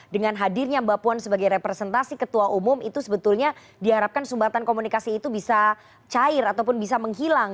dengan hadirnya mbak puan sebagai representasi ketua umum itu sebetulnya diharapkan sumbatan komunikasi itu bisa cair ataupun bisa menghilang